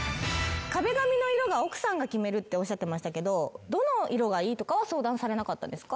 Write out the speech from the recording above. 壁紙の色奥さんが決めるっておっしゃってましたけどどの色がいいとかは相談されなかったんですか？